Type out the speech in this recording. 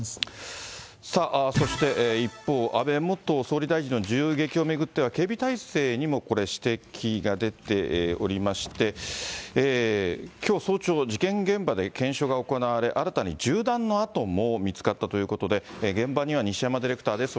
そして、一方、安倍元総理大臣の銃撃を巡っては、警備体制にも指摘が出ておりまして、きょう、早朝、事件現場で検証が行われ、新たに銃弾の痕も見つかったということで、現場には西山ディレクターです。